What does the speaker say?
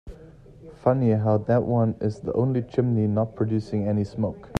Funny how that one is the only chimney not producing any smoke.